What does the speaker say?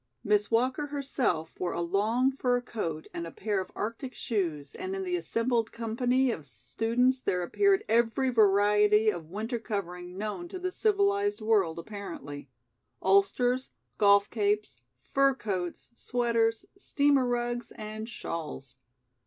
Miss Walker herself wore a long fur coat and a pair of arctic shoes and in the assembled company of students there appeared every variety of winter covering known to the civilized world, apparently: ulsters, golf capes, fur coats, sweaters, steamer rugs and shawls.